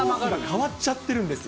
変わっちゃってるんですよ。